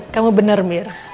kamu bener mir